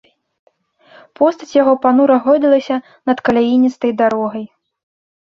Постаць яго панура гойдалася над каляіністай дарогай.